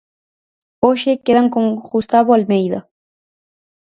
Hoxe quedan con Gustavo Almeida.